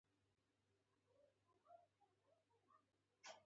هر انسان ته پویه چې دا نصحیت په پام کې ونیسي.